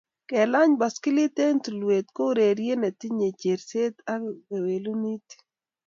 Kelany baskilit eng tulweet ko ureriet ne tinyei cherset ak kewelutik